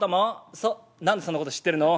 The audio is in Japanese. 「そ何でそんなこと知ってるの？